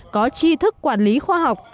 có chi thức quản lý khoa học